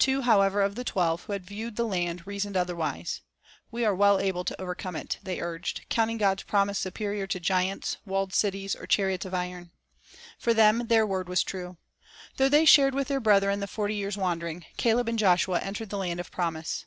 Two, however, of the twelve who had viewed the land, reasoned otherwise. "We are well able to over come it," 3 they urged, counting God's promise superior to giants, walled cities, or chariots of iron. For them their word was true. Though they shared with their brethren the forty years' wandering, Caleb and Joshua entered the land of promise.